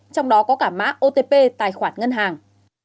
trong đó có cả mã otp tài khoản ngân hàng